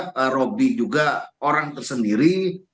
tetap robi juga orang tersendiri